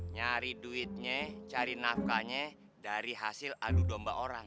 nyari duitnya cari nafkahnya dari hasil adu domba orang